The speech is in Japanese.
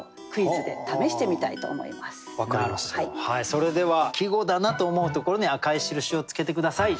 それでは季語だなと思うところに赤い印をつけて下さい。